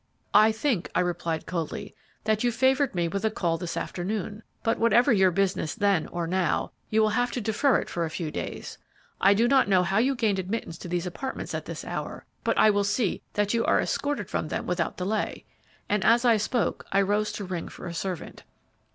"'I think,' I replied, coldly, 'that you favored me with a call this afternoon, but whatever your business then or now, you will have to defer it for a few days. I do not know how you gained admittance to these apartments at this hour, but I will see that you are escorted from them without delay,' and as I spoke I rose to ring for a servant.